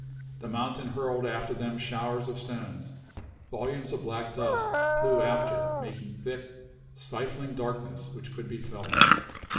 The mountain hurled after them showers of stones. Volumes of black dust flew after, making thick, stifling darkness which could be felt.